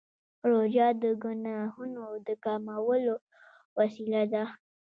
روژه د ګناهونو د کمولو وسیله ده.